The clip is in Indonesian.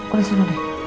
udah sholat deh